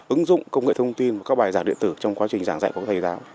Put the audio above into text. ứng dụng công nghệ thông tin và các bài giảng điện tử trong quá trình giảng dạy của các thầy giáo